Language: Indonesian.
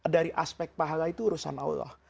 dari aspek pahala itu urusan allah